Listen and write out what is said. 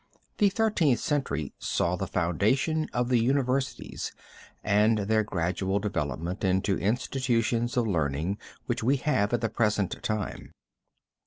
The Thirteenth Century saw the foundation of the universities and their gradual development into the institutions of learning which we have at the present time.